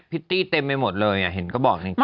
ิตตี้เต็มไปหมดเลยเห็นก็บอกจริง